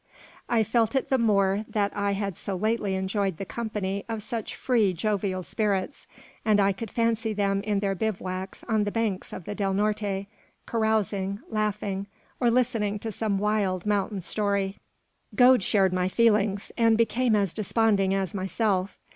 I felt it the more that I had so lately enjoyed the company of such free, jovial spirits, and I could fancy them in their bivouacs on the banks of the Del Norte, carousing, laughing, or listening to some wild mountain story. Gode shared my feelings, and became as desponding as myself.